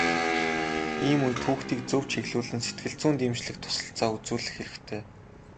Ийм үед хүүхдийг зөв чиглүүлэн сэтгэл зүйн дэмжлэг туслалцаа үзүүлэх хэрэгтэй.